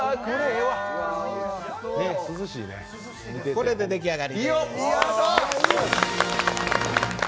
これで出来上がりです。